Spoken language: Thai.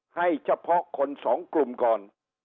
ให้เฉพาะคนสองกลุ่มก่อน